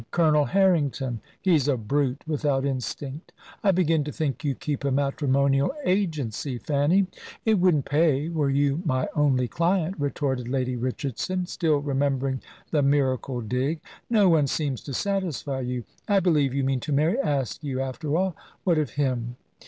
"Colonel Harrington!" "He's a brute, without instinct. I begin to think you keep a matrimonial agency, Fanny." "It wouldn't pay, were you my only client," retorted Lady Richardson, still remembering the miracle dig. "No one seems to satisfy you. I believe you mean to marry Askew, after all. What of him?"